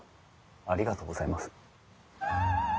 ありがとうございます。